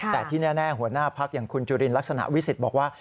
แต่ที่แน่หัวหน้าพักอย่างคุณจุลินลักษณะวิสิทธิ์บอกว่า